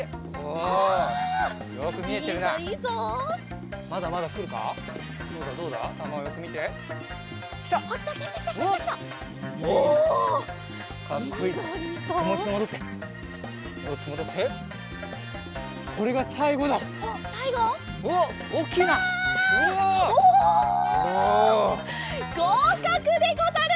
ごうかくでござる！